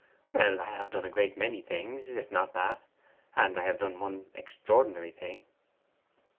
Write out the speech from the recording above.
'Well, I have done a great many things, if not that. And I have done one extraordinary thing.